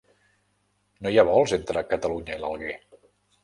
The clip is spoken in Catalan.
No hi ha vols entre Catalunya i l'Alguer